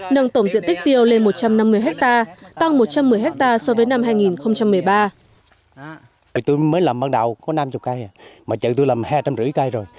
nâng tổng diện tích tiêu lên một trăm năm mươi hectare